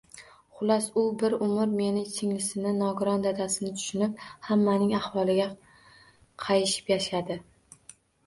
Xullas, u bir umr meni, singlisini, nogiron dadasini tushunib, hammaning ahvoliga qayishib yashadi